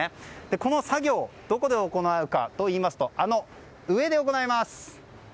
この作業どこで行うかといいますとあの上で行います。